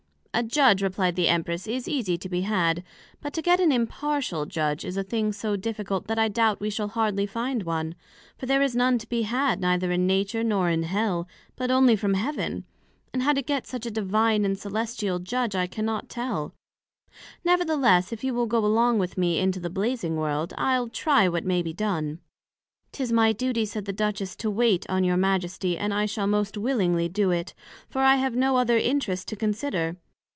A Judg, replied the Empress, is easie to be had; but to get an Impartial Judg, is a thing so difficult, that I doubt we shall hardly find one; for there is none to be had, neither in Nature, nor in Hell, but onely from Heaven; and how to get such a Divine and Celestial Judg, I cannot tell: Nevertheless, if you will go along with me into the Blazing world, I'le try what may be done. 'Tis my duty, said the Duchess, to wait on your Majesty, and I shall most willingly do it, for I have no other interest to consider.